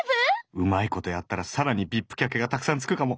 うまいことやったら更にＶＩＰ客がたくさんつくかも。